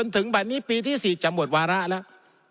ถึงบัตรนี้ปีที่๔จะหมดวาระแล้ว